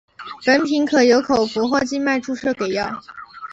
本品可由口服或静脉注射给药。